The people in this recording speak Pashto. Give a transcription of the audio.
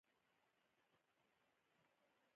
ستاسې لپاره ستاسې دین.